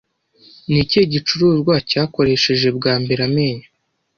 ni ikihe gicuruzwa cyakoresheje bwa mbere Amenyo